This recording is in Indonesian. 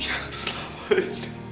yang selama ini